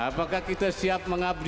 apakah kita siap mengabdi